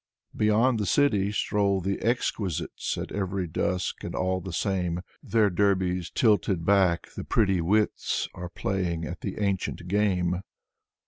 Beyond the city stroll the exquisites, At every dusk and all the same: Their derbies tilted back, the pretty wits Are playing at the ancient game.